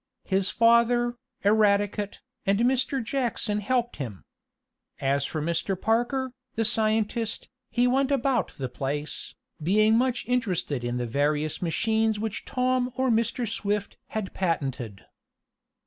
His father, Eradicate and Mr. Jackson helped him. As for Mr. Parker, the scientist, he went about the place, being much interested in the various machines which Tom or Mr. Swift had patented.